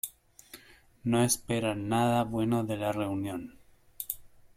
No esperan nada bueno de la reunión.